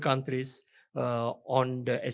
negara negara yang berkembang